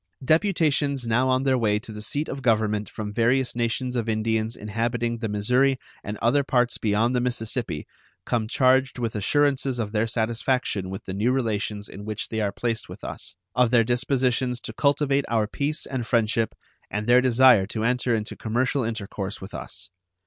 Deputations now on their way to the seat of Government from various nations of Indians inhabiting the Missouri and other parts beyond the Mississippi come charged with assurances of their satisfaction with the new relations in which they are placed with us, of their dispositions to cultivate our peace and friendship, and their desire to enter into commercial intercourse with us.